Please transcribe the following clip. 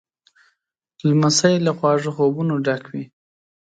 لمسی له خواږه خوبونو ډک وي.